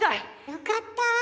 よかった。